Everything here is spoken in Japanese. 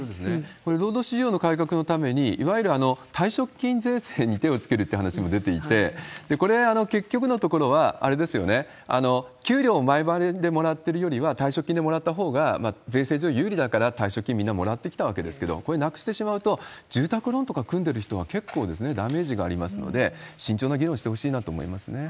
これ、労働市場の改革のために、いわゆる退職金税制に手を付けるという話も出ていて、これ、結局のところは、あれですよね、給料を前払いでもらってるよりは、退職金でもらったほうが税制上有利だから、退職金みんなもらってきたわけですけれども、これなくしてしまうと、住宅ローンとか組んでる人は、結構ダメージがありますので、慎重な議論してほしいなと思います